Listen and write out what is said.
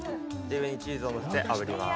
上にチーズをのせてあぶります。